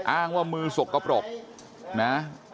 อ้างว่ามือสกปรกนะ